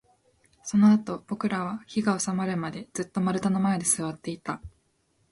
そのあと、僕らは火が収まるまで、ずっと丸太の前で座っていた